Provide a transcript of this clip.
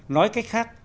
nói cách khác